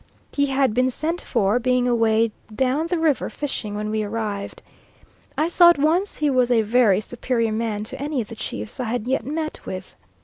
He had been sent for, being away down the river fishing when we arrived. I saw at once he was a very superior man to any of the chiefs I had yet met with.